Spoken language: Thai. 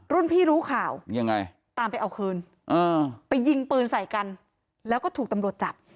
รุ่นพี่รู้ข่าวยังไงตามไปเอาคืนไปยิงปืนใส่กันแล้วก็ถูกตำรวจจับ